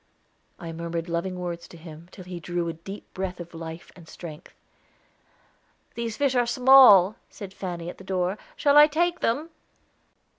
I murmured loving words to him, till he drew a deep breath of life and strength. "These fish are small," said Fanny at the door. "Shall I take them!"